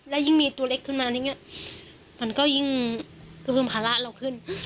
และยิ่งมีตัวเล็กขึ้นมามันก็ยิ่งภาระเราขึ้น